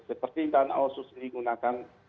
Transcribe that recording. seperti tanah otsus digunakan